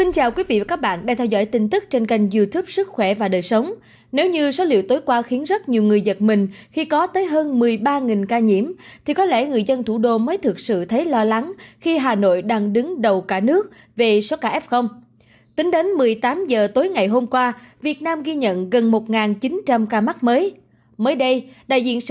các bạn hãy đăng ký kênh để ủng hộ kênh của chúng mình nhé